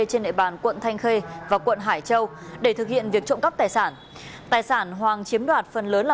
trên địa bàn quận thanh khê và quận hải châu để thực hiện việc trộm cắp tài sản tài sản hoàng chiếm đoạt phần lớn là